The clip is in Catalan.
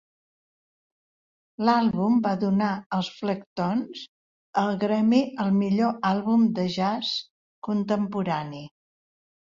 L'àlbum va donar als Flecktones el Grammy al millor àlbum de jazz contemporani.